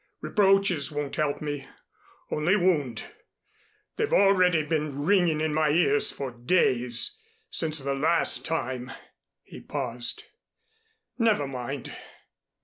"Reproaches won't help me only wound. They've already been ringing in my ears for days since the last time " he paused. "Never mind."